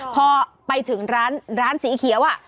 พอไปถึงร้านสีเขียว